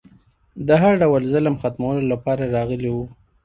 د هر ډول ظلم ختمولو لپاره راغلی و